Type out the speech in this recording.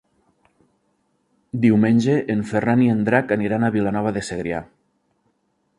Diumenge en Ferran i en Drac aniran a Vilanova de Segrià.